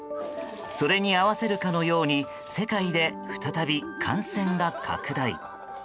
それに合わせるかのように世界で再び感染が拡大。